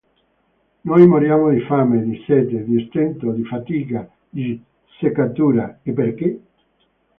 Noi moriamo di fame, di sete, di stento, di fatica, di seccatura; e perchè?